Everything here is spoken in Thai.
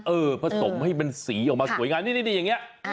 เออผสมให้เป็นสีออกมาสวยงานดีอย่างนี้